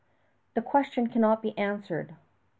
The question cannot be answered.